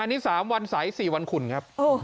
อันนี้๓วันใส๔วันคุณครับ